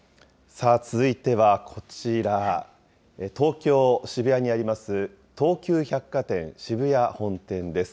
さあ続いてはこちら、東京・渋谷にあります、東急百貨店渋谷本店です。